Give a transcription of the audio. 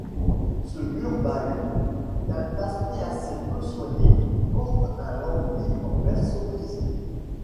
Ce mur-bahut, d'un aspect assez peu soigné, porte un lambris en berceau brisé.